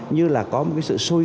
như là có một sự sôi